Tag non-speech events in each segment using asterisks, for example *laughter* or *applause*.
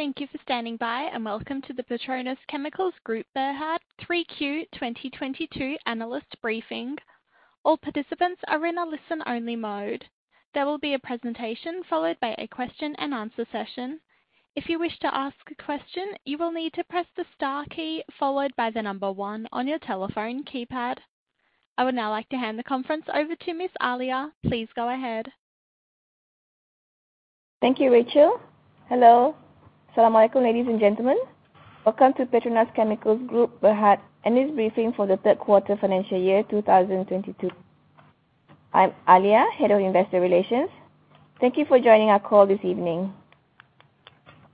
Thank you for standing by. Welcome to the PETRONAS Chemicals Group Berhad 3Q 2022 analyst briefing. All participants are in a listen-only mode. There will be a presentation followed by a question and answer session. If you wish to ask a question, you will need to press the star key followed by the number one on your telephone keypad. I would now like to hand the conference over to Ms. Alia. Please go ahead. Thank you, Rachel. Hello. Assalamualaikum, ladies and gentlemen. Welcome to PETRONAS Chemicals Group Berhad, and this briefing for the third quarter financial year 2022. I'm Alia, Head of Investor Relations. Thank you for joining our call this evening.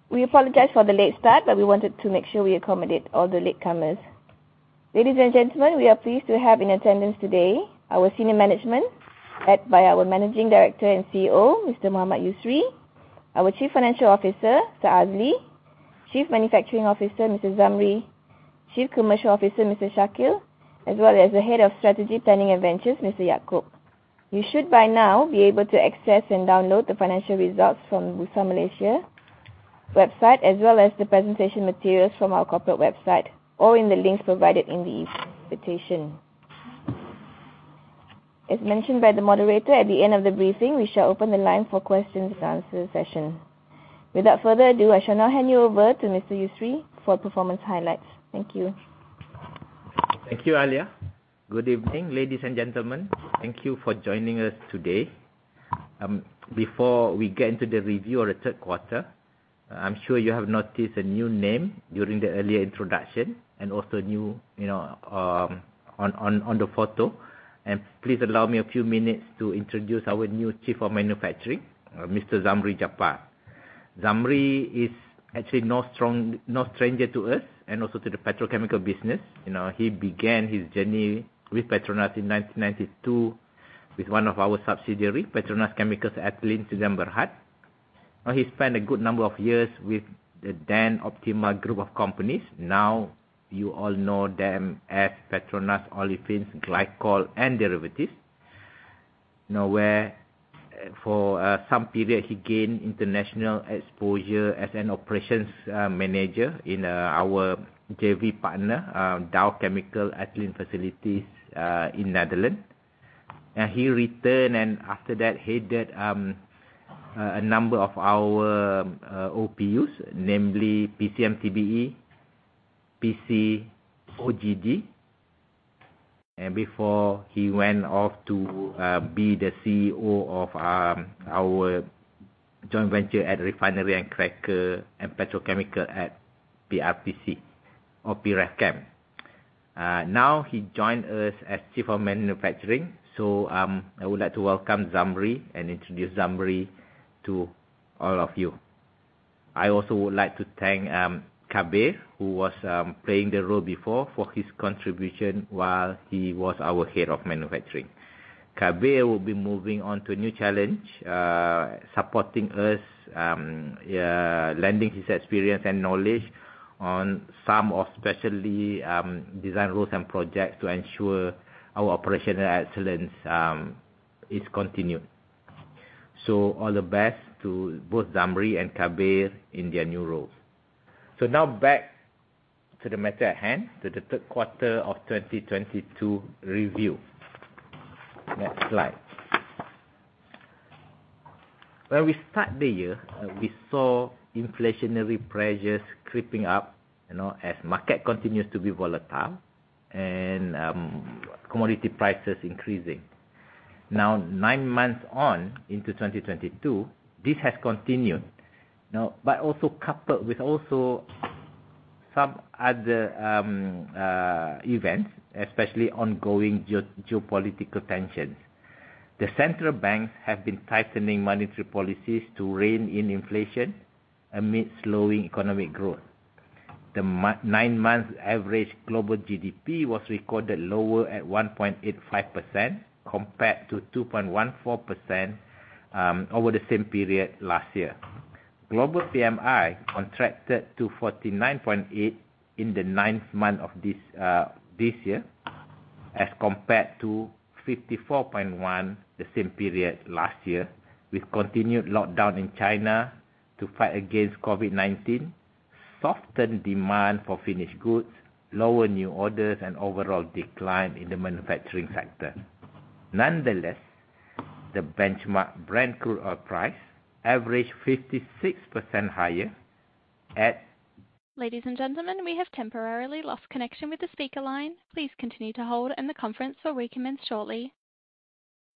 We apologize for the late start, but we wanted to make sure we accommodate all the latecomers. Ladies and gentlemen, we are pleased to have in attendance today our senior management, led by our Managing Director and CEO, Mr. Mohamed Yusri, our Chief Financial Officer, Mr. Azli, Chief Manufacturing Officer, Mr. Zamri, Chief Commercial Officer, Mr. Shakeel, as well as the Head of Strategic Planning and Ventures, Mr. Yaacob. You should by now be able to access and download the financial results from Bursa Malaysia website, as well as the presentation materials from our corporate website, all in the links provided in the invitation. As mentioned by the moderator, at the end of the briefing, we shall open the line for questions and answer session. Without further ado, I shall now hand you over to Mr. Yusri for performance highlights. Thank you. Thank you, Alia. Good evening, ladies and gentlemen. Thank you for joining us today. Before we get into the review of the third quarter, I'm sure you have noticed a new name during the earlier introduction and also new, you know, on the photo. Please allow me a few minutes to introduce our new Chief of Manufacturing, Mr. Zamri Japar. Zamri is actually no stranger to us and also to the petrochemical business. You know, he began his journey with PETRONAS in 1992 with one of our PETRONAS Chemicals Ethylene Sdn. Bhd.. He spent a good number of years with the then Optimal group of companies. Now, you all know them as PETRONAS Chemicals Olefins, Glycols & Derivatives. You know where, for some period he gained international exposure as an operations manager in our JV partner, Dow Chemical Ethylene facilities in Netherlands. He returned, and after that headed a number of our OPUs, namely PCMTBE, PCOGD. Before he went off to be the CEO of our joint venture at refinery and cracker and petrochemical at PRPC or PRefChem. Now he joined us as chief of manufacturing. I would like to welcome Zamri and introduce Zamri to all of you. I also would like to thank Kabir, who was playing the role before, for his contribution while he was our head of manufacturing. Kabir will be moving on to a new challenge, supporting us, yeah, lending his experience and knowledge on some of, especially, design roles and projects to ensure our operational excellence is continued. All the best to both Zamri and Kabir in their new roles. Now back to the matter at hand, to the third quarter of 2022 review. Next slide. When we start the year, we saw inflationary pressures creeping up, you know, as market continues to be volatile and commodity prices increasing. Nine months on into 2022, this has continued. Now, also coupled with also some other events, especially ongoing geopolitical tensions. The central banks have been tightening monetary policies to rein in inflation amidst slowing economic growth. The month. Nine months average global GDP was recorded lower at 1.85% compared to 2.14% over the same period last year. Global PMI contracted to 49.8 in the ninth month of this year as compared to 54.1 the same period last year, with continued lockdown in China to fight against COVID-19, soften demand for finished goods, lower new orders and overall decline in the manufacturing sector. Nonetheless, the benchmark Brent crude oil price averaged 56% higher. Ladies and gentlemen, we have temporarily lost connection with the speaker line. Please continue to hold and the conference will recommence shortly.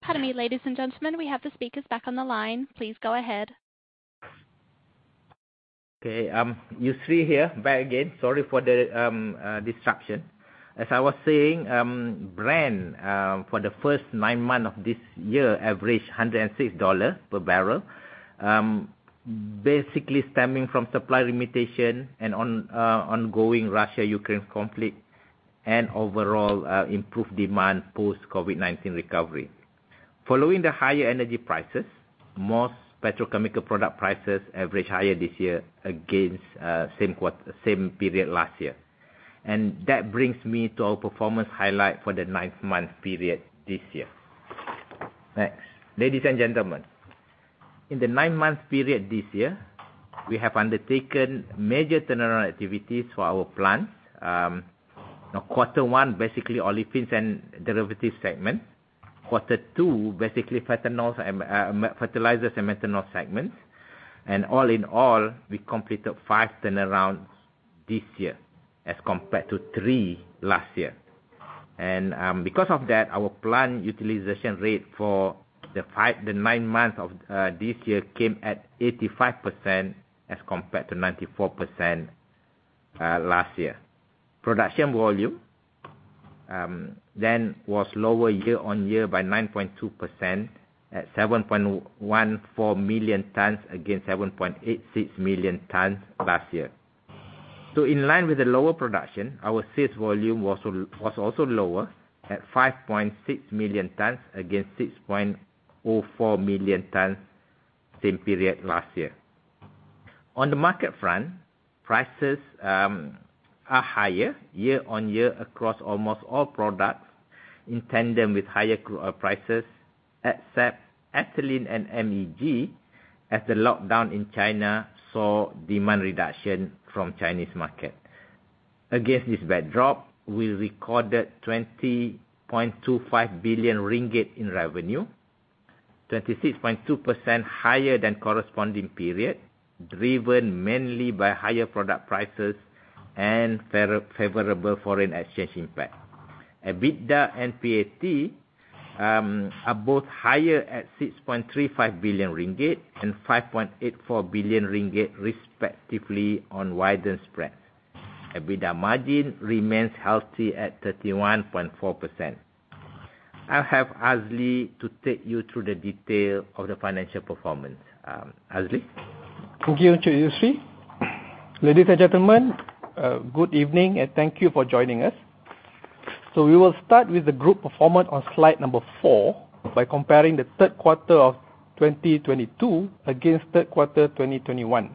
Pardon me, ladies and gentlemen, we have the speakers back on the line. Please go ahead. Yusri here back again. Sorry for the disruption. As I was saying, Brent for the first nine months of this year, averaged $106 per barrel, basically stemming from supply limitation and ongoing Russia-Ukraine conflict and overall improved demand post COVID-19 recovery. Following the higher energy prices, most petrochemical product prices average higher this year against same quarter, same period last year. That brings me to our performance highlight for the ninth month period this year. Next, ladies and gentlemen, in the nine-month period this year, we have undertaken major turnaround activities for our plant. you know, quarter one, basically Olefins & Derivatives segment, quarter two, basically Ethylene and Fertilizers and Methanol segments. All in all, we completed five turnarounds this year as compared to three last year. Because of that, our plant utilization rate for the nine months of this year came at 85% as compared to 94% last year. Production volume then was lower year-on-year by 9.2% at 7.14 million tons against 7.86 million tons last year. In line with the lower production, our sales volume was also lower at 5.6 million tons against 6.04 million tons same period last year. On the market front, prices are higher year-on-year across almost all products in tandem with higher crude oil prices, except Ethylene and MEG, as the lockdown in China saw demand reduction from Chinese market. Against this backdrop, we recorded 20.25 billion ringgit in revenue, 36.2% higher than corresponding period, driven mainly by higher product prices and favorable foreign exchange impact. EBITDA and PAT are both higher at 6.35 billion ringgit and 5.84 billion ringgit respectively on widened spreads. EBITDA margin remains healthy at 31.4%. I'll have Azli to take you through the detail of the financial performance. Azli. Thank you, Encik Yusri. Ladies and gentlemen, good evening, thank you for joining us. We will start with the group performance on slide four by comparing the third quarter 2022 against third quarter 2021.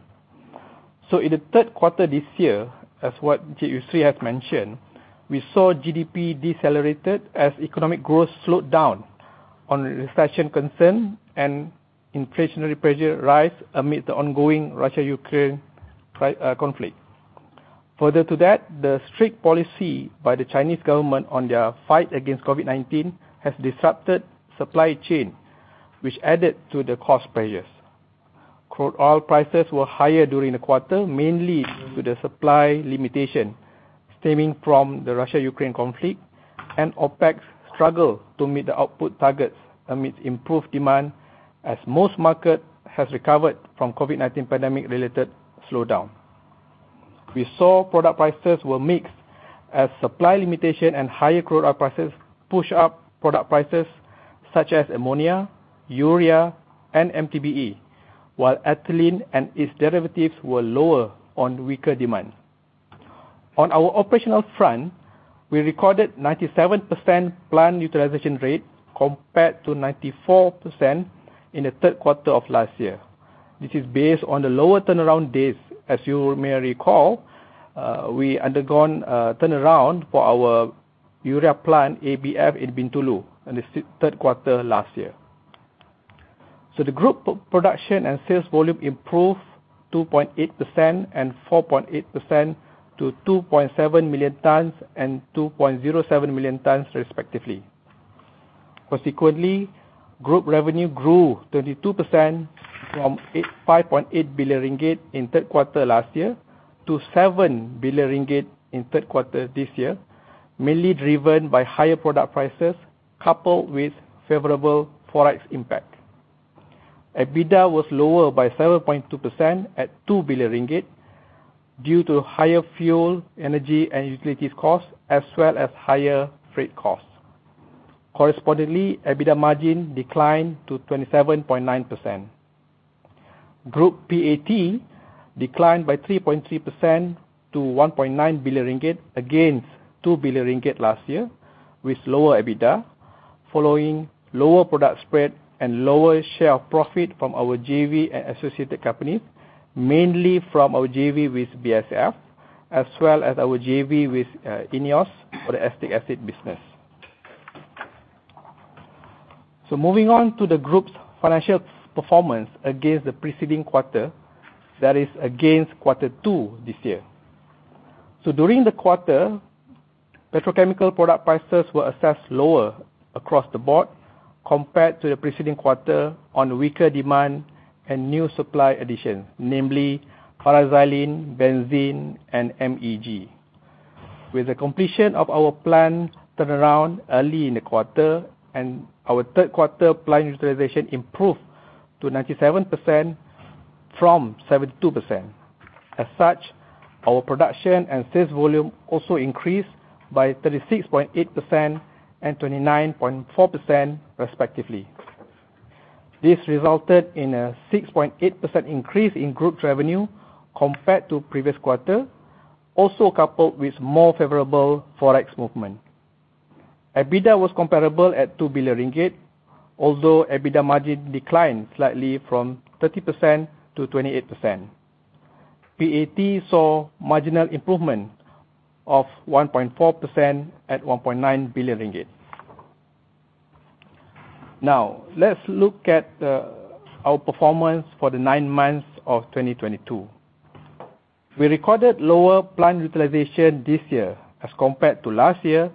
In the third quarter this year, as what Yusri has mentioned, we saw GDP decelerated as economic growth slowed down on recession concern and inflationary pressure rise amid the ongoing Russia-Ukraine conflict. Further to that, the strict policy by the Chinese government on their fight against COVID-19 has disrupted supply chain, which added to the cost pressures. Crude oil prices were higher during the quarter, mainly due to the supply limitation stemming from the Russia-Ukraine conflict and OPEC's struggle to meet the output targets amidst improved demand, as most market has recovered from COVID-19 pandemic-related slowdown. We saw product prices were mixed as supply limitation and higher crude oil prices pushed up product prices such as ammonia, urea, and MTBE, while ethylene and its derivatives were lower on weaker demand. On our operational front, we recorded 97% plant utilization rate compared to 94% in the third quarter of last year. This is based on the lower turnaround days. As you may recall, we undergone a turnaround for our urea plant, ABF, in Bintulu in the third quarter last year. The group production and sales volume improved 2.8% and 4.8% to 2.7 million tons and 2.07 million tons respectively. Consequently, group revenue grew 32% from 5.8 billion ringgit in third quarter last year to 7 billion ringgit in third quarter this year, mainly driven by higher product prices, coupled with favorable forex impact. EBITDA was lower by 7.2% at 2 billion ringgit due to higher fuel, energy, and utilities costs, as well as higher freight costs. Correspondingly, EBITDA margin declined to 27.9%. Group PAT declined by 3.3% to 1.9 billion ringgit against 2 billion ringgit last year with lower EBITDA, following lower product spread and lower share of profit from our JV and associated companies, mainly from our JV with BASF, as well as our JV with INEOS for the acetic acid business. Moving on to the group's financial performance against the preceding quarter, that is against quarter two this year. During the quarter, petrochemical product prices were assessed lower across the board compared to the preceding quarter on weaker demand and new supply additions, namely paraxylene, benzene, and MEG. With the completion of our plant turnaround early in the quarter and our third quarter plant utilization improved to 97% from 72%. As such, our production and sales volume also increased by 36.8% and 29.4% respectively. This resulted in a 6.8% increase in group revenue compared to previous quarter, also coupled with more favorable forex movement. EBITDA was comparable at 2 billion ringgit, although EBITDA margin declined slightly from 30% to 28%. PAT saw marginal improvement of 1.4% at 1.9 billion ringgit. Now let's look at our performance for the nine months of 2022. We recorded lower plant utilization this year as compared to last year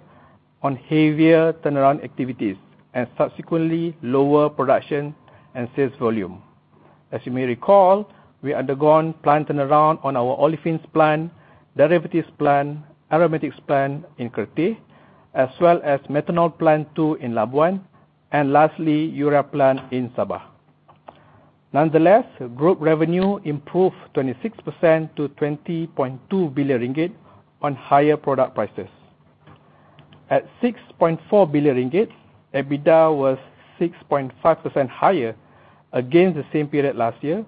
on heavier turnaround activities and subsequently lower production and sales volume. As you may recall, we undergone plant turnaround on our olefins plant, derivatives plant, aromatics plant in Kerteh, as well as methanol Plant 2 in Labuan, and lastly, urea plant in Sabah. Group revenue improved 26% to 20.2 billion ringgit on higher product prices. At 6.4 billion ringgit, EBITDA was 6.5% higher against the same period last year.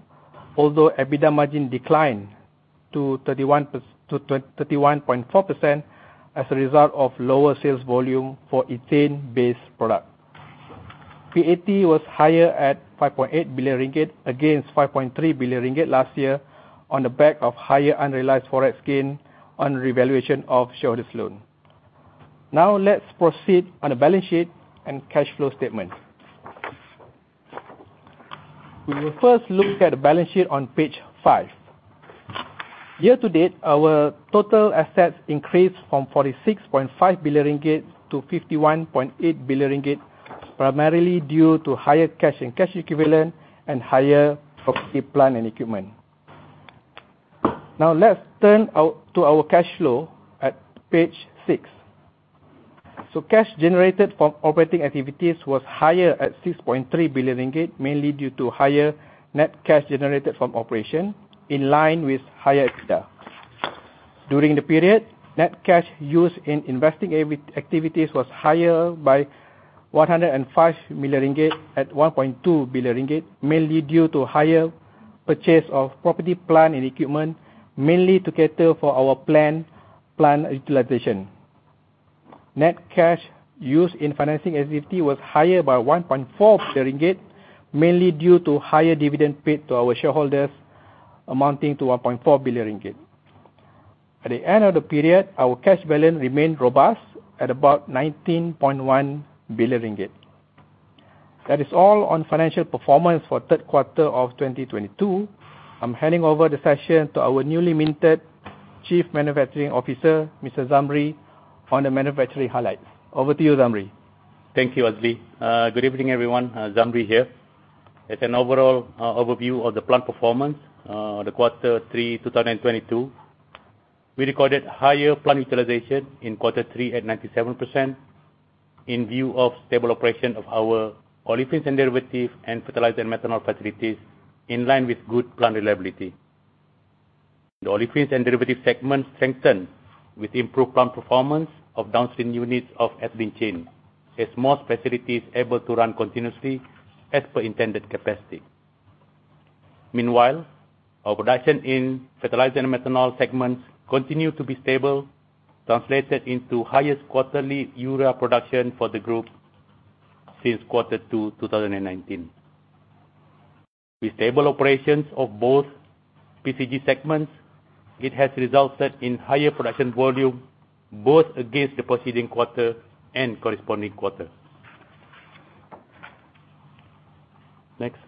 EBITDA margin declined to 31.4% as a result of lower sales volume for ethane-based product. PAT was higher at 5.8 billion ringgit against 5.3 billion ringgit last year on the back of higher unrealized forex gain on revaluation of shareholders' loan. Now let's proceed on the balance sheet and cash flow statement. We will first look at the balance sheet on page five. Year to date, our total assets increased from 46.5 billion ringgit to 51.8 billion ringgit, primarily due to higher cash and cash equivalent and higher property, plant, and equipment. Now let's turn out to our cash flow at page six. Cash generated from operating activities was higher at 6.3 billion ringgit, mainly due to higher net cash generated from operation in line with higher EBITDA. During the period, net cash used in investing activities was higher by 105 million ringgit at 1.2 billion ringgit, mainly due to higher purchase of property, plant, and equipment, mainly to cater for our plant utilization. Net cash used in financing activity was higher by 1.4 billion ringgit, mainly due to higher dividend paid to our shareholders amounting to 1.4 billion ringgit. At the end of the period, our cash balance remained robust at about 19.1 billion ringgit. That is all on financial performance for third quarter of 2022. I'm handing over the session to our newly minted Chief Manufacturing Officer, Mr. Zamri, on the manufacturing highlights. Over to you, Zamri. Thank you, Azli. Good evening, everyone. Zamri here. As an overall overview of the plant performance, the quarter three 2022, we recorded higher plant utilization in quarter three at 97% in view of stable operation of our olefins and derivatives and fertilizer and methanol facilities in line with good plant reliability. The olefins and derivatives segment strengthened with improved plant performance of downstream units of ethylene chain as most facilities able to run continuously as per intended capacity. Meanwhile, our production in fertilizer and methanol segments continue to be stable, translated into highest quarterly urea production for the group since quarter two 2019. With stable operations of both PCG segments, it has resulted in higher production volume, both against the preceding quarter and corresponding quarter. Next.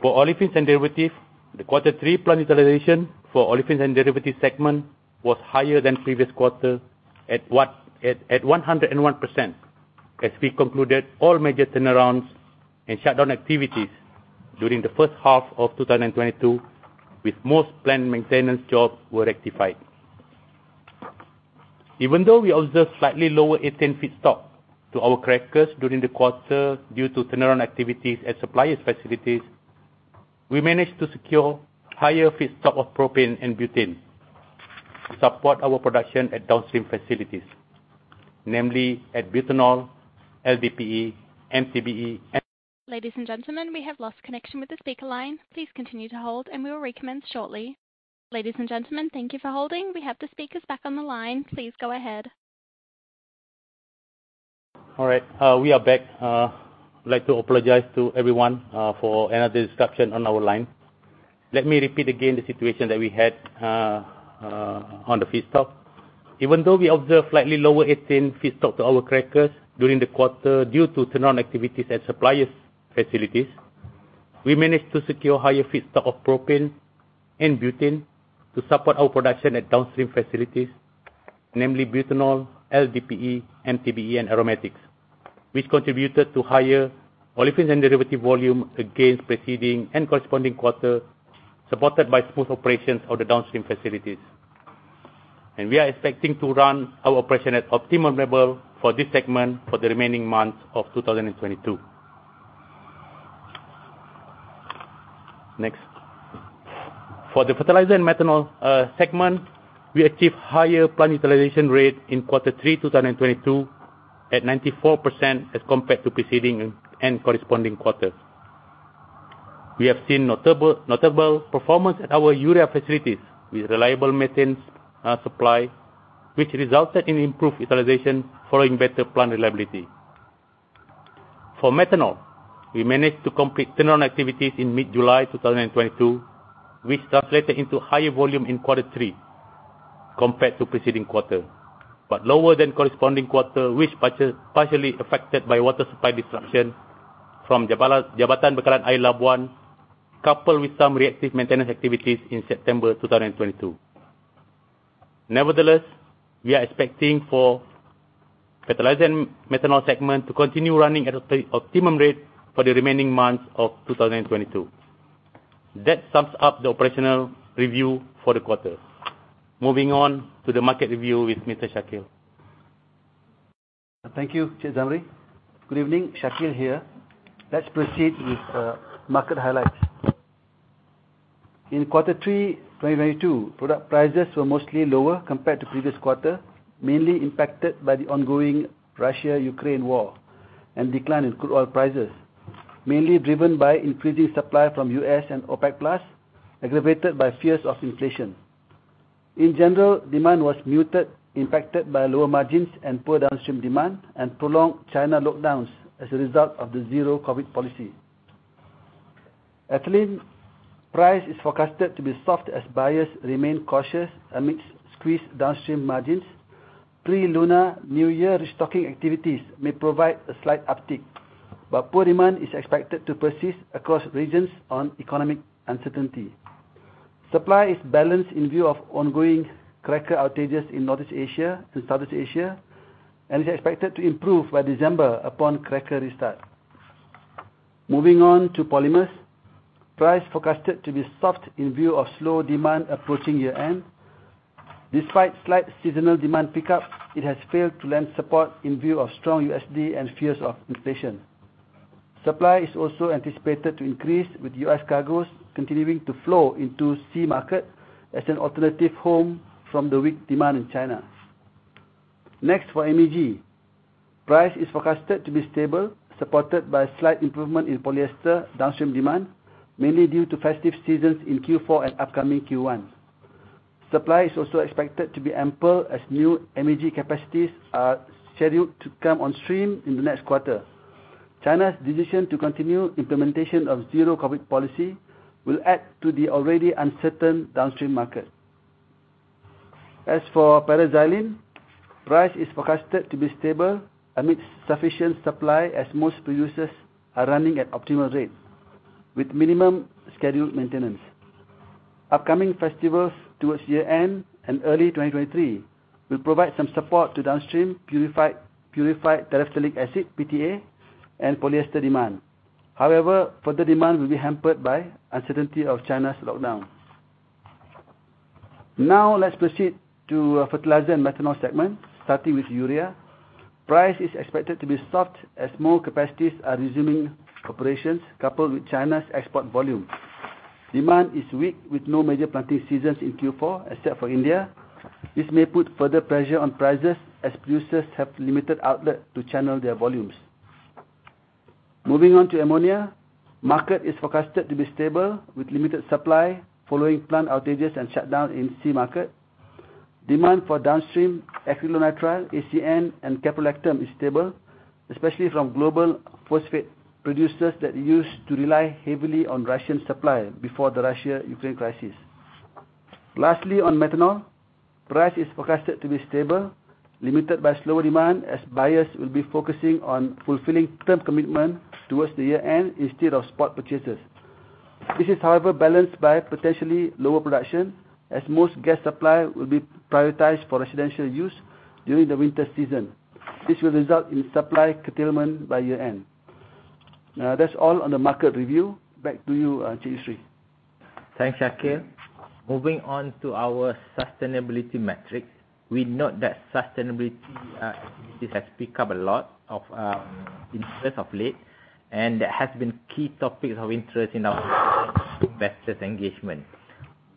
For Olefins & Derivatives, the quarter three plant utilization for Olefins & Derivatives segment was higher than previous quarter at 101% as we concluded all major turnarounds and shutdown activities during the first half of 2022, with most plant maintenance jobs were rectified. We observed slightly lower ethane feedstock to our crackers during the quarter due to turnaround activities at suppliers' facilities, we managed to secure higher feedstock of propane and butane to support our production at downstream facilities, namely at butanol, LDPE, MTBE. Ladies and gentlemen, we have lost connection with the speaker line. Please continue to hold and we will recommence shortly. Ladies and gentlemen, thank you for holding. We have the speakers back on the line. Please go ahead. All right, we are back. I'd like to apologize to everyone for any disruption on our line. Let me repeat again the situation that we had on the feedstock. Even though we observed slightly lower ethane feedstock to our crackers during the quarter due to turnaround activities at suppliers' facilities, we managed to secure higher feedstock of propane and butane to support our production at downstream facilities, namely butanol, LDPE, MTBE, and aromatics, which contributed to higher Olefins & Derivative volume against preceding and corresponding quarter, supported by smooth operations of the downstream facilities. We are expecting to run our operation at optimum level for this segment for the remaining months of 2022. Next. For the fertilizer and methanol segment, we achieved higher plant utilization rate in quarter three, 2022 at 94% as compared to preceding and corresponding quarters. We have seen notable performance at our urea facilities with reliable maintenance supply, which resulted in improved utilization following better plant reliability. For methanol, we managed to complete turnaround activities in mid-July 2022, which translated into higher volume in quarter three compared to preceding quarter. Lower than corresponding quarter, which partially affected by water supply disruption from Jabatan Bekalan Air Labuan, coupled with some reactive maintenance activities in September 2022. Nevertheless, we are expecting for fertilizer and methanol segment to continue running at optimum rate for the remaining months of 2022. That sums up the operational review for the quarter. Moving on to the market review with Mr. Shakeel. Thank you, Encik Zamri. Good evening, Shakeel here. Let's proceed with market highlights. In quarter three 2022, product prices were mostly lower compared to previous quarter, mainly impacted by the ongoing Russia-Ukraine war and decline in crude oil prices, mainly driven by increasing supply from U.S. and OPEC+, aggravated by fears of inflation. In general, demand was muted, impacted by lower margins and poor downstream demand and prolonged China lockdowns as a result of the zero COVID policy. Ethylene price is forecasted to be soft as buyers remain cautious amidst squeezed downstream margins. Pre-Lunar New Year restocking activities may provide a slight uptick, but poor demand is expected to persist across regions on economic uncertainty. Supply is balanced in view of ongoing cracker outages in Northeast Asia and Southeast Asia, and is expected to improve by December upon cracker restart. Moving on to polymers. Price forecasted to be soft in view of slow demand approaching year-end. Despite slight seasonal demand pickup, it has failed to lend support in view of strong USD and fears of inflation. Supply is also anticipated to increase, with U.S. cargoes continuing to flow into sea market as an alternative home from the weak demand in China. Next for MEG. Price is forecasted to be stable, supported by a slight improvement in polyester downstream demand, mainly due to festive seasons in Q4 and upcoming Q1. Supply is also expected to be ample as new MEG capacities are scheduled to come on stream in the next quarter. China's decision to continue implementation of zero COVID policy will add to the already uncertain downstream market. For paraxylene, price is forecasted to be stable amidst sufficient supply, as most producers are running at optimal rate with minimum scheduled maintenance. Upcoming festivals towards year-end and early 2023 will provide some support to downstream purified terephthalic acid, PTA, and polyester demand. Further demand will be hampered by uncertainty of China's lockdown. Let's proceed to fertilizer and methanol segment, starting with urea. Price is expected to be soft as more capacities are resuming operations, coupled with China's export volume. Demand is weak with no major planting seasons in Q4 except for India. This may put further pressure on prices as producers have limited outlet to channel their volumes. Moving on to ammonia. Market is forecasted to be stable with limited supply following plant outages and shutdown in sea market. Demand for downstream acrylonitrile, ACN, and caprolactam is stable, especially from global phosphate producers that used to rely heavily on Russian supply before the Russia-Ukraine crisis. Lastly, on methanol. Price is forecasted to be stable, limited by slower demand, as buyers will be focusing on fulfilling term commitment towards the year-end instead of spot purchases. This is, however, balanced by potentially lower production, as most gas supply will be prioritized for residential use during the winter season. This will result in supply curtailment by year-end. That's all on the market review. Back to you, Encik Yusri. Thanks, Shakeel. Moving on to our sustainability metrics. We note that sustainability activities has picked up a lot of interest of late. That has been key topics of interest in our investors' engagement.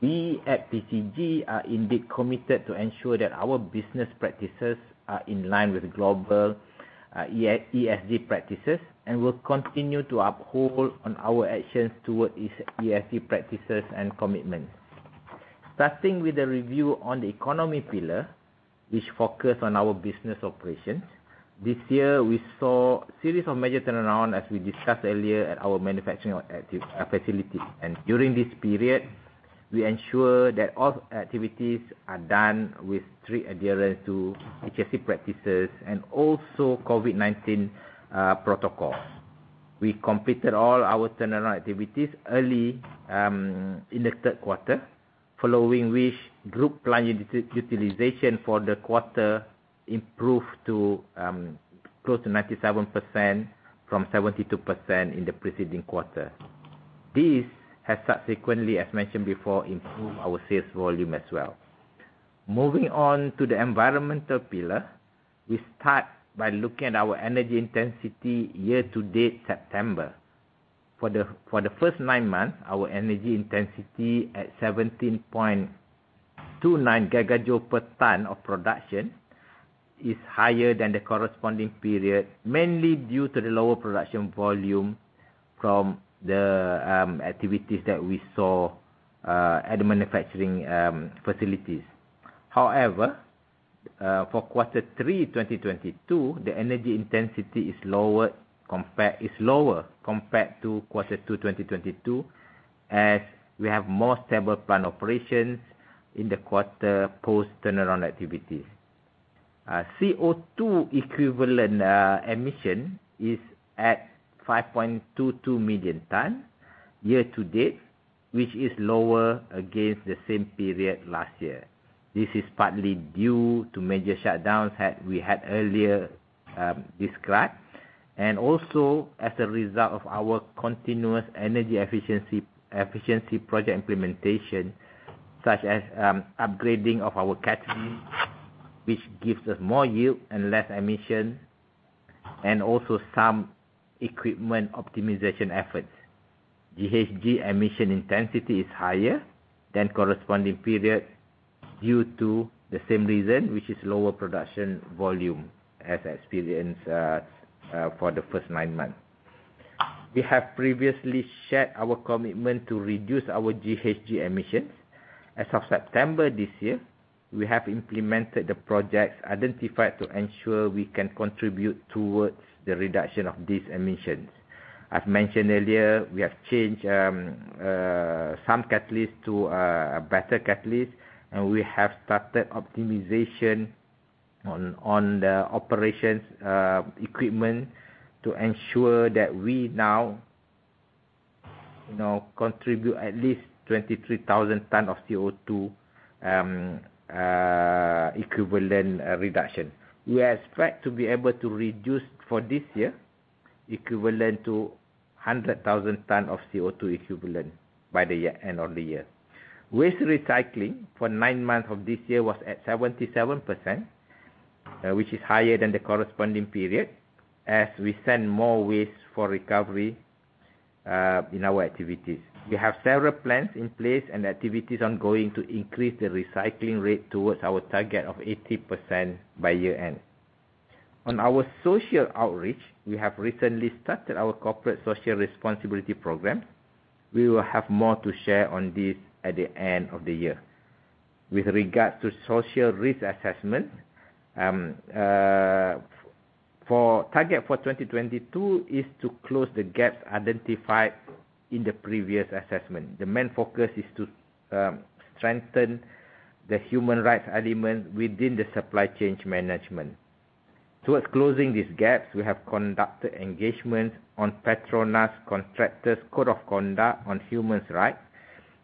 We at PCG are indeed committed to ensure that our business practices are in line with global ESG practices and will continue to uphold on our actions towards ESG practices and commitment. Starting with the review on the economy pillar, which focus on our business operations. This year, we saw series of major turnaround, as we discussed earlier, at our manufacturing facility. During this period, we ensure that all activities are done with strict adherence to HSE practices and also COVID-19 protocols. We completed all our turnaround activities early in the third quarter, following which group plant utilization for the quarter improved to close to 97% from 72% in the preceding quarter. This has subsequently, as mentioned before, improved our sales volume as well. Moving on to the environmental pillar. We start by looking at our energy intensity year-to-date September. For the first nine months, our energy intensity at 17.29 GJ/ton of production, is higher than the corresponding period, mainly due to the lower production volume from the activities that we saw at the manufacturing facilities. However, for quarter three 2022, the energy intensity is lower compared to quarter two 2022, as we have more stable plant operations in the quarter post turnaround activities. CO2 equivalent emission is at 5.22 million tons year-to-date, which is lower against the same period last year. This is partly due to major shutdowns we had earlier described, and also as a result of our continuous energy efficiency project implementation, such as upgrading of our catalyst, which gives us more yield and less emission, and also some equipment optimization efforts. GHG emission intensity is higher than corresponding period due to the same reason, which is lower production volume as experienced for the first nine months. We have previously shared our commitment to reduce our GHG emissions. As of September this year, we have implemented the projects identified to ensure we can contribute towards the reduction of these emissions. As mentioned earlier, we have changed some catalyst to a better catalyst. We have started optimization on the operations equipment to ensure that we now, you know, contribute at least 23,000 tons of CO2 equivalent reduction. We expect to be able to reduce for this year equivalent to 100,000 tons of CO2 equivalent by the end of the year. Waste recycling for nine months of this year was at 77%, which is higher than the corresponding period as we send more waste for recovery in our activities. We have several plans in place and activities ongoing to increase the recycling rate towards our target of 80% by year-end. On our social outreach, we have recently started our corporate social responsibility program. We will have more to share on this at the end of the year. With regards to social risk assessment, for target for 2022 is to close the gaps identified in the previous assessment. The main focus is to strengthen the human rights element within the supply chain management. Towards closing these gaps, we have conducted engagements on PETRONAS Contractors Code of Conduct on Human Rights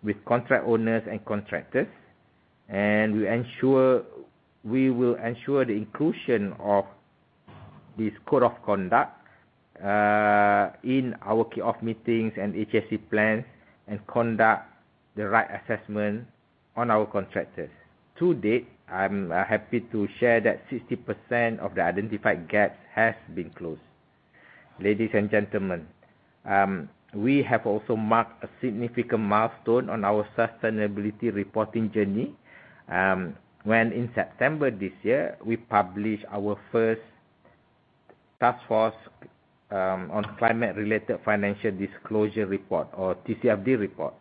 with contract owners and contractors. We will ensure the inclusion of this code of conduct in our kickoff meetings and HSE plans and conduct the right assessment on our contractors. To date, I'm happy to share that 60% of the identified gaps has been closed. Ladies and gentlemen, we have also marked a significant milestone on our sustainability reporting journey, when in September this year, we published our first Task Force on Climate-related Financial Disclosures report or TCFD report.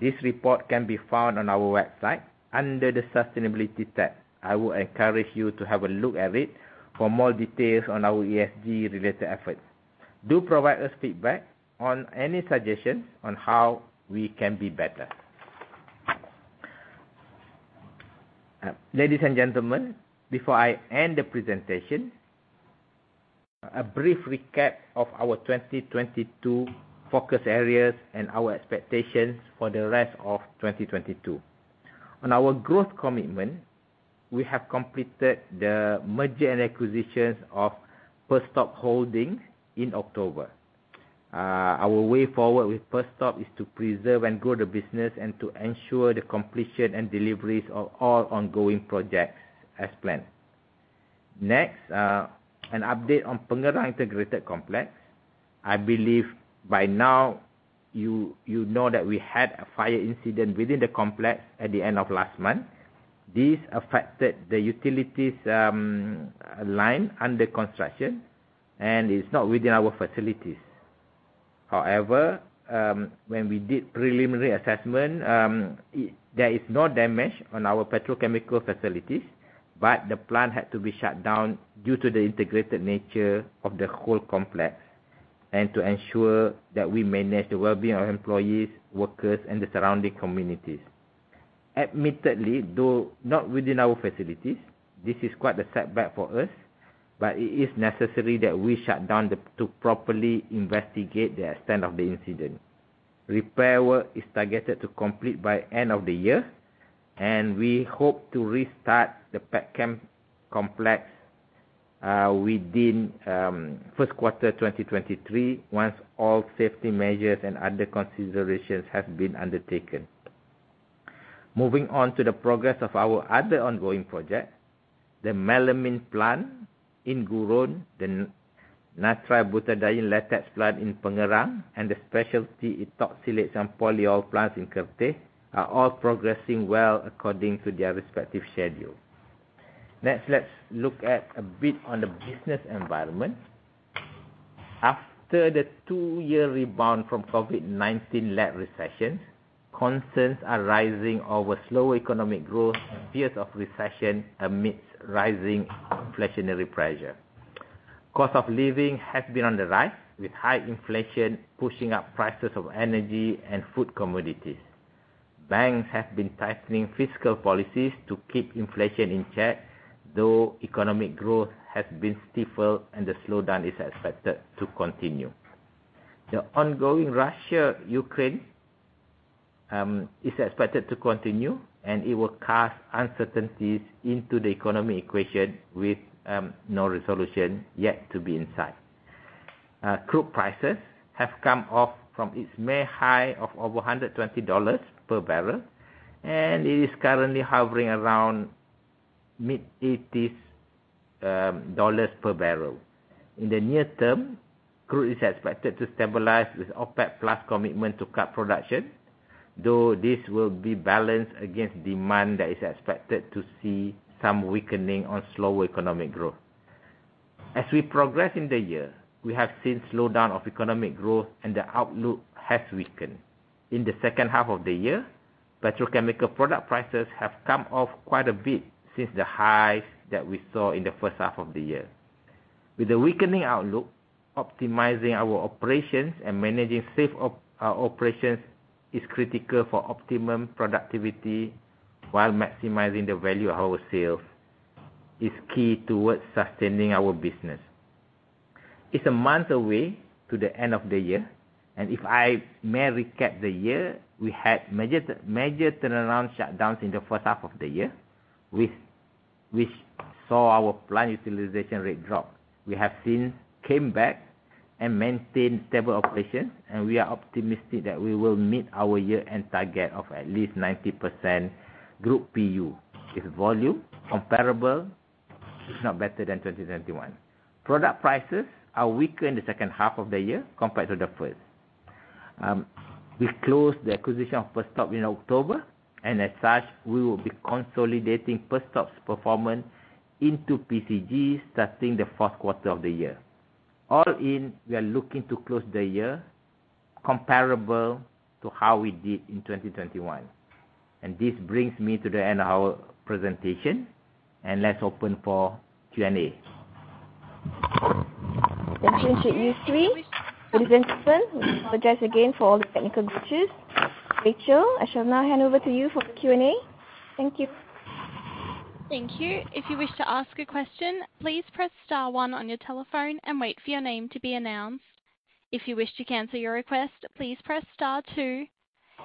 This report can be found on our website under the Sustainability tab. I would encourage you to have a look at it for more details on our ESG related efforts. Do provide us feedback on any suggestions on how we can be better. Ladies and gentlemen, before I end the presentation, a brief recap of our 2022 focus areas and our expectations for the rest of 2022. On our growth commitment, we have completed the merger and acquisitions of Perstorp Holdings in October. Our way forward with Perstorp is to preserve and grow the business and to ensure the completion and deliveries of all ongoing projects as planned. Next, an update on Pengerang Integrated Complex. I believe by now you know that we had a fire incident within the complex at the end of last month. This affected the utilities line under construction and is not within our facilities. However, when we did preliminary assessment, there is no damage on our petrochemical facilities, but the plant had to be shut down due to the integrated nature of the whole complex and to ensure that we manage the well-being of employees, workers and the surrounding communities. Admittedly, though, not within our facilities, this is quite a setback for us, but it is necessary that we shut down to properly investigate the extent of the incident. Repair work is targeted to complete by end of the year, and we hope to restart the PetChem complex within first quarter 2023, once all safety measures and other considerations have been undertaken. Moving on to the progress of our other ongoing projects. The melamine plant in Gurun, the Nitrile Butadiene Latex plant in Pengerang and the specialty Ethoxylates some polyol plants in Kertih are all progressing well according to their respective schedule. Next, let's look at a bit on the business environment. After the two-year rebound from COVID-19-led recession, concerns are rising over slow economic growth and fears of recession amidst rising inflationary pressure. Cost of living has been on the rise, with high inflation pushing up prices of energy and food commodities. Banks have been tightening fiscal policies to keep inflation in check, though economic growth has been stifled and the slowdown is expected to continue. The ongoing Russia-Ukraine is expected to continue, and it will cast uncertainties into the economy equation with no resolution yet to be in sight. Crude prices have come off from its May high of over $120 per barrel, and it is currently hovering around mid-80s dollars per barrel. In the near term, crude is expected to stabilize with OPEC+ commitment to cut production, though this will be balanced against demand that is expected to see some weakening on slower economic growth. As we progress in the year, we have seen slowdown of economic growth and the outlook has weakened. In the second half of the year, petrochemical product prices have come off quite a bit since the highs that we saw in the first half of the year. With the weakening outlook, optimizing our operations and managing safe operations is critical for optimum productivity while maximizing the value of our sales, is key towards sustaining our business. It's a month away, If I may recap the year, we had major turnaround shutdowns in the first half of the year which saw our plant utilization rate drop. We have since came back and maintained stable operations and we are optimistic that we will meet our year-end target of at least 90% group PU. It's volume comparable, if not better than 2021. Product prices are weaker in the second half of the year compared to the first. As such we will be consolidating Perstorp's performance into PCG starting the fourth quarter of the year. All in, we are looking to close the year comparable to how we did in 2021. This brings me to the end of our presentation and let's open for Q&A. Thank you, *audio distortion* ladies and gentlemen. We apologize again for all the technical glitches. Rachel, I shall now hand over to you for the Q&A. Thank you. Thank you. If you wish to ask a question, please press star one on your telephone and wait for your name to be announced. If you wish to cancel your request, please press star two.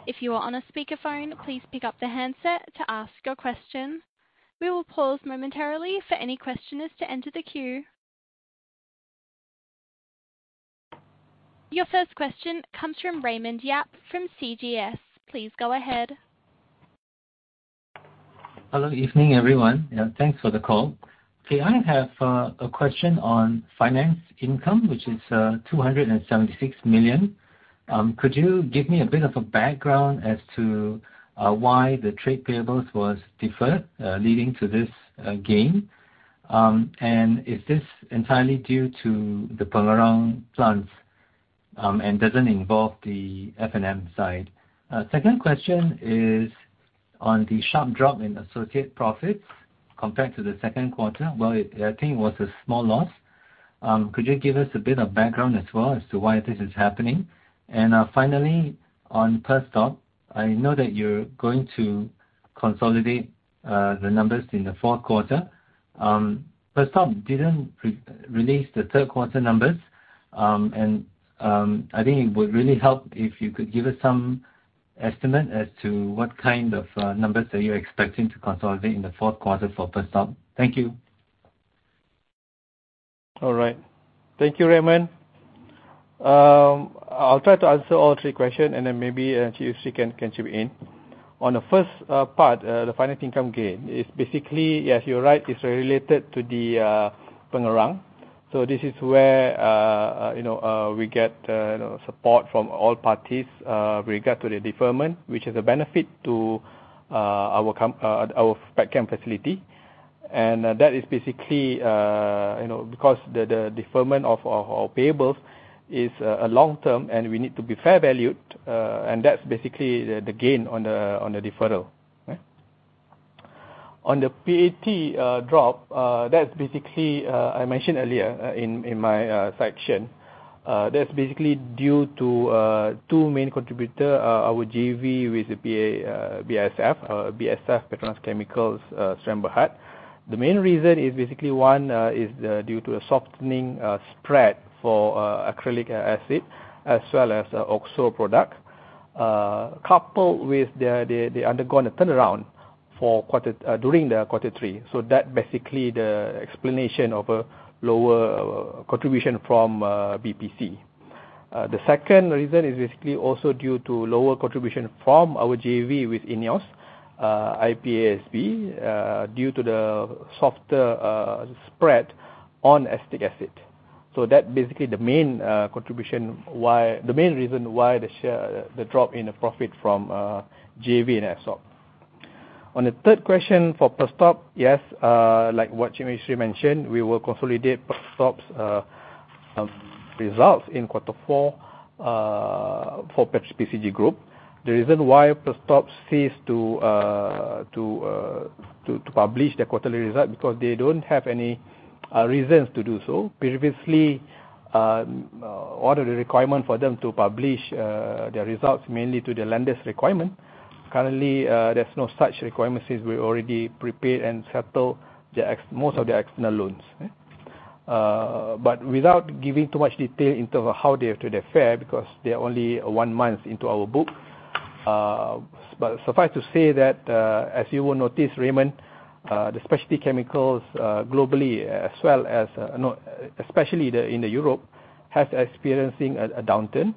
If you are on a speakerphone, please pick up the handset to ask your question. We will pause momentarily for any questioners to enter the queue. Your first question comes from Raymond Yap from CGS. Please go ahead. Hello. Evening, everyone, and thanks for the call. Okay. I have a question on finance income which is 276 million. Could you give me a bit of a background as to why the trade payables was deferred, leading to this gain? Is this entirely due to the Pengerang plants and doesn't involve the F&M side? Second question is on the sharp drop in associate profits compared to the second quarter. Well, I think it was a small loss. Could you give us a bit of background as well as to why this is happening? Finally on Perstorp, I know that you're going to consolidate the numbers in the fourth quarter. Perstorp didn't pre-release the third quarter numbers. I think it would really help if you could give us some estimate as to what kind of numbers are you expecting to consolidate in the fourth quarter for Perstorp. Thank you. All right. Thank you, Raymond. I'll try to answer all three question and then maybe *audio distortion* can chip in. On the first part, the finance income gain is basically, yes, you're right, it's related to the Pengerang. This is where, you know, we get support from all parties, regard to the deferment which is a benefit to our back end facility. That is basically, you know, because the deferment of our payables is a long term and we need to be fair valued, and that's basically the gain on the deferral. On the PAT drop, that's basically, I mentioned earlier, in my section, that's basically due to two main contributor, our JV with BASF. BASF PETRONAS Chemicals Sdn. Bhd.. The main reason is basically one, is due to a softening spread for acrylic acid as well as oxo product, coupled with the undergoing turnaround during the quarter three. That basically the explanation of a lower contribution from BPC. The second reason is basically also due to lower contribution from our JV with INEOS, IPASB, due to the softer spread on acetic acid. That basically the main reason why the share, the drop in the profit from JV and Perstorp. On the third question for Perstorp, yes, like what Encik Yusri mentioned, we will consolidate Perstorp's results in quarter four for PCG group. The reason why Perstorp ceased to publish their quarterly result because they don't have any reasons to do so. Previously, one of the requirement for them to publish their results mainly to the lenders' requirement. Currently, there's no such requirement since we already prepaid and settled most of their external loans. Without giving too much detail in terms of how they have to declare because they're only one month into our book. Suffice to say that, as you will notice, Raymond, the specialty chemicals, globally, as well as, no, especially the, in the Europe, has experiencing a downturn,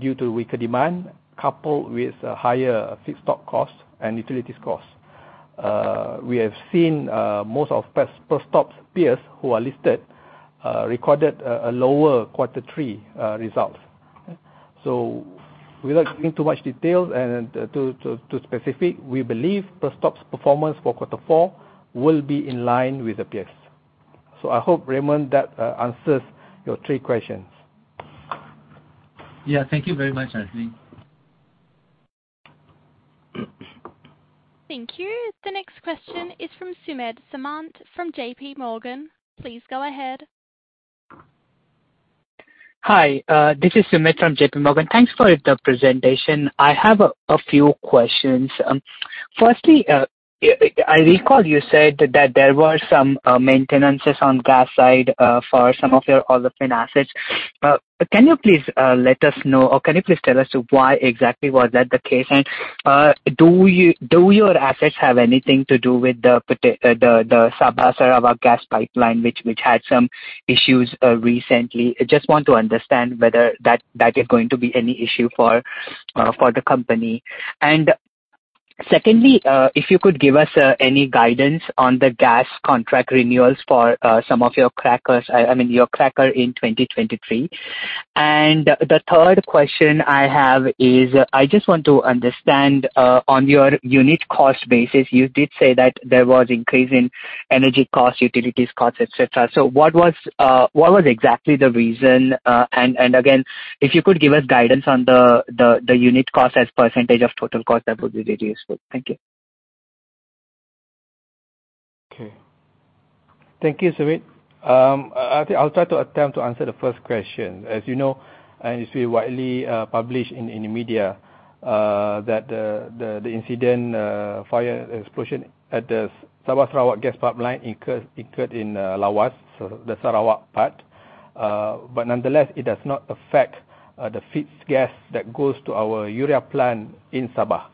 due to weaker demand coupled with higher feedstock costs and utilities costs. We have seen, most of Perstorp's peers who are listed, recorded a lower quarter three results. Without giving too much details and too specific, we believe Perstorp's performance for quarter four will be in line with their peers. I hope, Raymond, that answers your three questions. Yeah. Thank you very much, Azli. Thank you. The next question is from Sumedh Samant from JPMorgan. Please go ahead. Hi. This is Sumedh from JPMorgan. Thanks for the presentation. I have a few questions. Firstly, I recall you said that there were some maintenances on gas side for some of your olefin assets. Can you please let us know or can you please tell us why exactly was that the case? Do your assets have anything to do with the Sabah-Sarawak gas pipeline, which had some issues recently? I just want to understand whether that is going to be any issue for the company. Secondly, if you could give us any guidance on the gas contract renewals for some of your crackers. I mean, your cracker in 2023. The third question I have is I just want to understand, on your unit cost basis, you did say that there was increase in energy costs, utilities costs, et cetera. What was exactly the reason? Again, if you could give us guidance on the unit cost as percentage of total cost, that would be really useful. Thank you. Thank you, Sumedh. I think I'll try to attempt to answer the first question. As you know, it's been widely published in the media that the incident, fire explosion at the Sabah-Sarawak gas pipeline occurred in Lawas, so the Sarawak part. Nonetheless, it does not affect the feeds gas that goes to our urea plant in Sabah.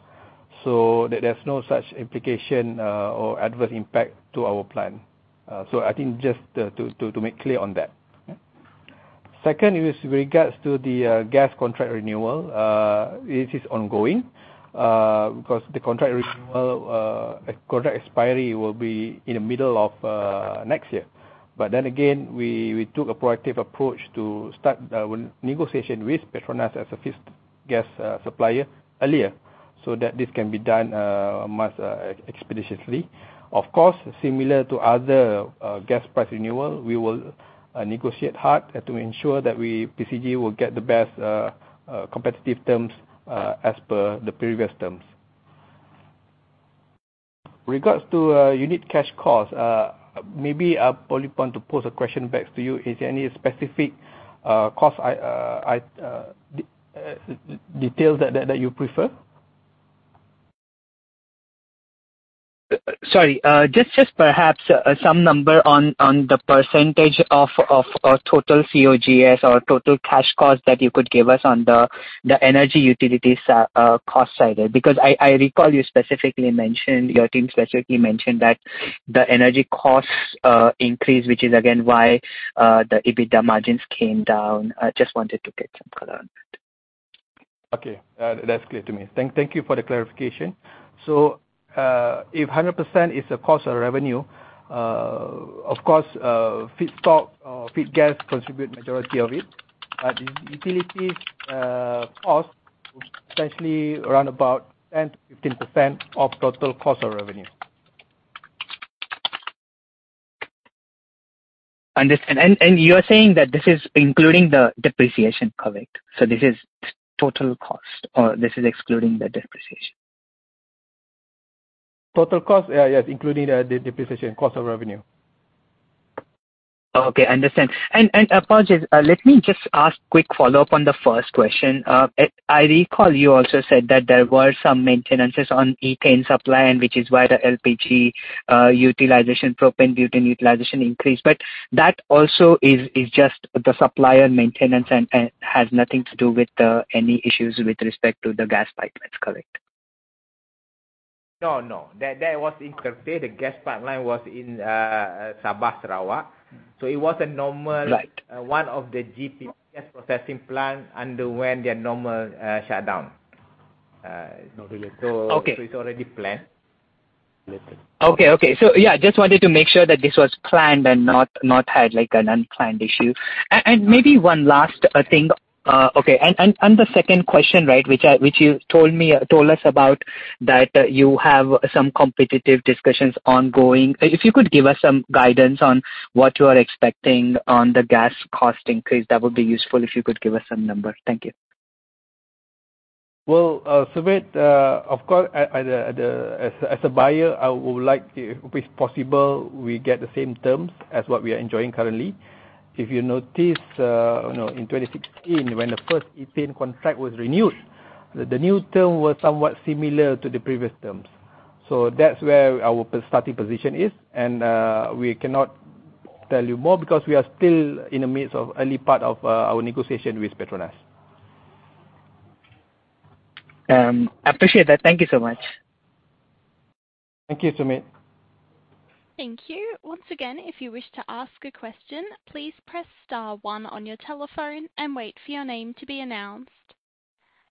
There's no such implication or adverse impact to our plant. I think just to make clear on that. Second is regards to the gas contract renewal. It is ongoing because the contract renewal contract expiry will be in the middle of next year. Again, we took a proactive approach to start negotiation with PETRONAS as the first gas supplier earlier so that this can be done much expeditiously. Of course, similar to other gas price renewal, we will negotiate hard to ensure that we, PCG will get the best competitive terms as per the previous terms. Regards to unit cash costs, maybe I probably want to pose a question back to you. Is there any specific cost details that you prefer? Sorry. Just perhaps some number on the percentage of total COGS or total cash costs that you could give us on the energy utilities, cost side? I recall your team specifically mentioned that the energy costs increased, which is again why the EBITDA margins came down. I just wanted to get some color on that. Okay. That's clear to me. Thank you for the clarification. If 100% is the cost of revenue, of course, feedstock, feed gas contribute majority of it. The utilities cost essentially around about 10%-15% of total cost of revenue. Understand. You are saying that this is including the depreciation, correct? This is total cost or this is excluding the depreciation? Total cost. Yeah, yes, including the depreciation cost of revenue. Okay. Understand. Apologies, let me just ask quick follow-up on the first question. I recall you also said that there were some maintenances on ethane supply and which is why the LPG utilization, propane, butane utilization increased. That also is just the supplier maintenance and has nothing to do with any issues with respect to the gas pipelines. Correct? No, no. That was in Kerteh. The gas pipeline was in Sabah, Sarawak. It was a normal. Right. One of the GP gas processing plant underwent their normal shutdown. Okay. It's already planned. Okay. Okay. Yeah, just wanted to make sure that this was planned and not had like an unplanned issue. And maybe one last thing. Okay. On the second question, right, which you told us about that you have some competitive discussions ongoing. If you could give us some guidance on what you are expecting on the gas cost increase, that would be useful if you could give us some numbers. Thank you. Well, Sumedh, of course, as a buyer, I would like to, if possible, we get the same terms as what we are enjoying currently. If you notice, you know, in 2016 when the first ethane contract was renewed, the new term was somewhat similar to the previous terms. That's where our starting position is. We cannot tell you more because we are still in the midst of early part of our negotiation with PETRONAS. I appreciate that. Thank you so much. Thank you, Sumedh. Thank you. Once again, if you wish to ask a question, please press star one on your telephone and wait for your name to be announced.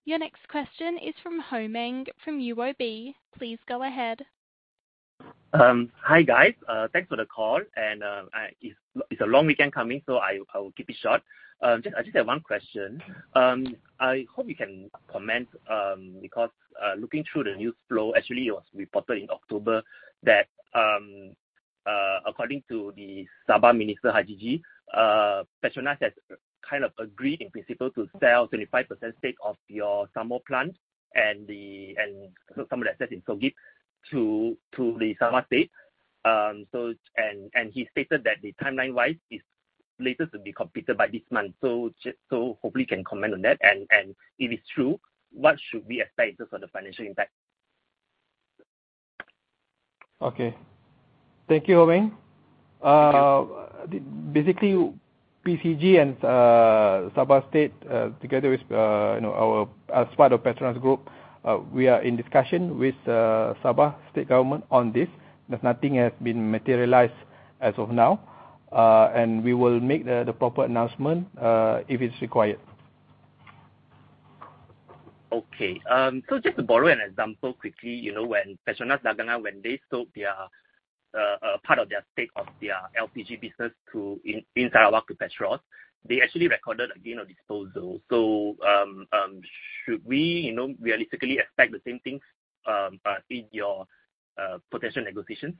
Your next question is from Ho Meng from UOB. Please go ahead. Hi, guys. Thanks for the call. It's a long weekend coming, so I will keep it short. I just have one question. I hope you can comment because looking through the news flow, actually, it was reported in October that according to the Sabah Minister Hajiji, PETRONAS has kind of agreed in principle to sell 25% stake of your SAMUR plant and some of the assets in SOGIP to the Sabah State. He stated that the timeline-wise is latest to be completed by this month. Hopefully you can comment on that. If it's true, what should we expect just on the financial impact? Okay. Thank you, Ho Meng. Basically, PCG and Sabah State, together with, you know, as part of PETRONAS group, we are in discussion with Sabah State Government on this. Nothing has been materialized as of now. We will make the proper announcement if it's required. Just to borrow an example quickly. You know, when PETRONAS Dagangan, when they sold their part of their stake of their LPG business to in Sarawak to Petros, they actually recorded a gain on disposal. Should we, you know, realistically expect the same things in your potential negotiations?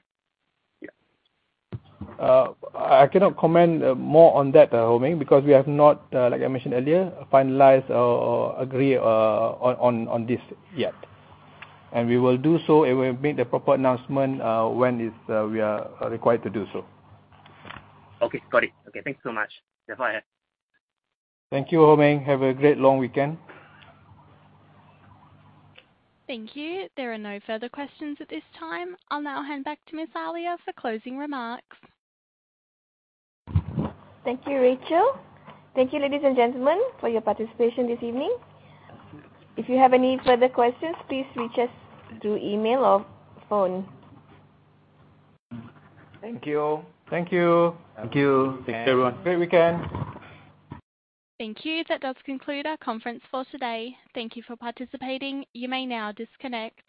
I cannot comment more on that, Ho Meng, because we have not, like I mentioned earlier, finalized or agree, on this yet. We will do so and we'll make the proper announcement, when we are required to do so. Okay. Got it. Okay. Thank you so much. That's all I have. Thank you, Ho Meng. Have a great long weekend. Thank you. There are no further questions at this time. I'll now hand back to Miss Alia for closing remarks. Thank you, Rachel. Thank you, ladies and gentlemen, for your participation this evening. If you have any further questions, please reach us through email or phone. Thank you. Thank you. Thank you. Thanks, everyone. Great weekend. Thank you. That does conclude our conference for today. Thank you for participating. You may now disconnect.